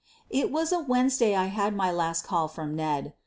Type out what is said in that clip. It was a Wednesday I had my last call fvom Ned.